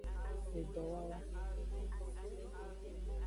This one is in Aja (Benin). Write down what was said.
Edowawa.